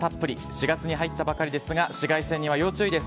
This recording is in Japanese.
４月に入ったばかりですが、紫外線には要注意です。